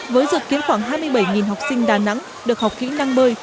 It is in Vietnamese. với dự kiến khoảng hai mươi bảy học sinh đà nẵng được học kỹ năng bơi